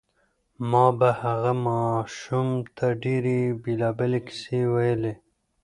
ما به هغه ماشوم ته ډېرې بېلابېلې کیسې ویلې